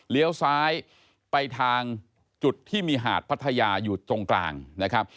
ซ้ายไปทางจุดที่มีหาดพัทยาอยู่ตรงกลางนะครับ